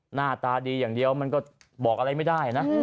หน้าตาดีอย่างเดียวมันก็บอกอะไรไม่ได้นะ